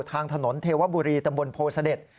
ทางถนนเทวบุรีตำบลโพเสด็จ